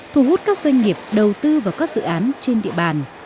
thu hút các doanh nghiệp đầu tư vào các dự án trên địa bàn